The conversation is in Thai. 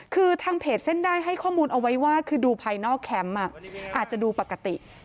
คือทางเพจเส้นได้ให้ข้อมูลเอาไว้ว่าคือดูภายนอกแคมป์อาจจะดูปกติ